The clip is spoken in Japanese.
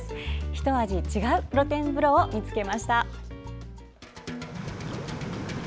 ひと味違う露天風呂を見つけました。